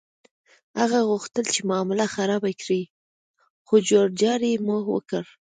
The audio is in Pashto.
هغه غوښتل چې معامله خرابه کړي، خو جوړجاړی مو وکړ.